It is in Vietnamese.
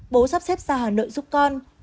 bố sắp xếp ra hà nội giúp con